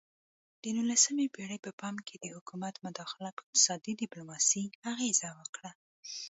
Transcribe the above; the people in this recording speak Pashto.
د نولسمې پیړۍ په پای کې د حکومت مداخله په اقتصادي ډیپلوماسي اغیزه وکړه